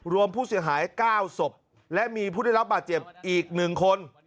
รวมผู้เสียหาย๙ศพและมีผู้ได้รับบาดเจ็บอีก๑คน